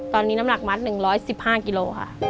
ตอนนี้น้ำหนักมัด๑๑๕กิโลค่ะ